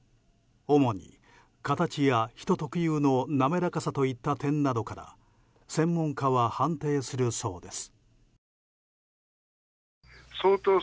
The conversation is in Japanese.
主に形や人特有の滑らかさといった点などから専門家は判定するそうです。